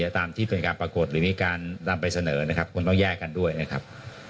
ตามที่เป็นการปรากฏหรือมีการนำไปเสนอนะครับคงต้องแยกกันด้วยนะครับ